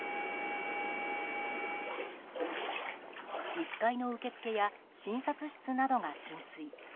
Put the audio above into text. １階の受付や診察室などが浸水。